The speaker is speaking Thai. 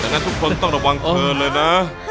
งั้นทุกคนต้องระวังเธอเลยนะ